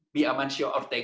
jadi amansio ortega